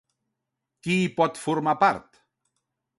Qui hi pot formar part?